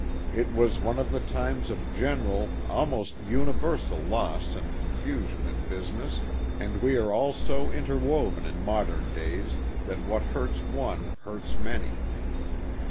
It was one of the times of general, almost universal loss and confusion 82 PLAY AND WORK. in business, and we are all so interwoven in modern days that what hurts one hurts many.